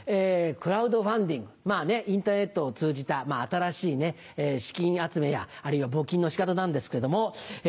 クラウドファンディングインターネットを通じた新しい資金集めやあるいは募金の仕方なんですけども。